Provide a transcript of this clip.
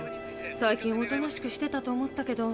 最近おとなしくしてたと思ったけど。